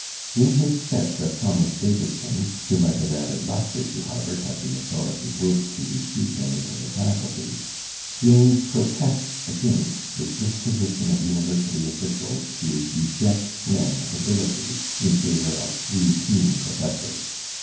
In his sketch of Thomas Davidson, who might have added lustre to Harvard had the authorities willed to receive him into the faculty, James protests against the disposition of university officials to reject men of ability in favoiu* of routine professors.